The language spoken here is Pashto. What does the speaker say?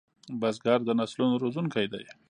بزګر د نسلونو روزونکی دی